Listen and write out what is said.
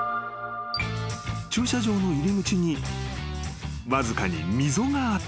［駐車場の入り口にわずかに溝があった］